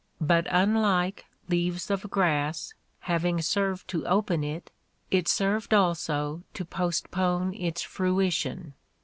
But, unlike "Leaves of Grass," having served to open it, it served also to postpone its fruition.